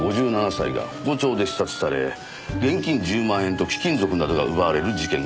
５７歳が包丁で刺殺され現金１０万円と貴金属などが奪われる事件がありました。